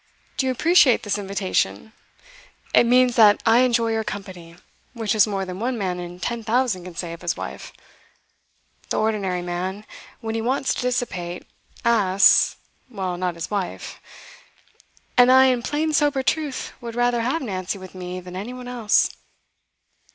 Do you appreciate this invitation? It means that I enjoy your company, which is more than one man in ten thousand can say of his wife. The ordinary man, when he wants to dissipate, asks well, not his wife. And I, in plain sober truth, would rather have Nancy with me than anyone else.